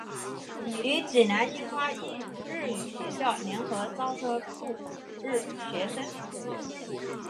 与济南樱花日语学校联合招收赴日学生。